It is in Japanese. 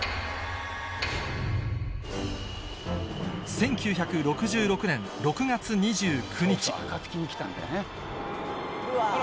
１９６６年６月２９日